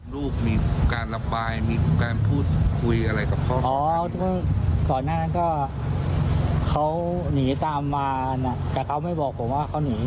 แล้วผมก็ถามเขาย้ำ